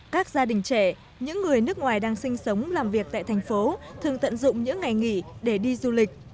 các gia đình trẻ những người nước ngoài đang sinh sống làm việc tại thành phố thường tận dụng những ngày nghỉ để đi du lịch